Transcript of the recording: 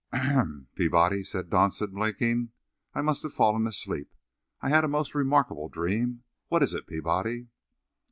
"Ahem! Peabody," said Dodson, blinking. "I must have fallen asleep. I had a most remarkable dream. What is it, Peabody?"